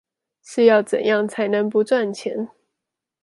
是要怎樣才能不賺錢